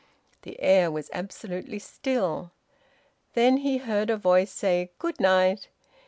The air was absolutely still. Then he heard a voice say, "Good night."